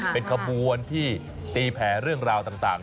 เป็นขบวนที่ตีแผลเรื่องราวต่าง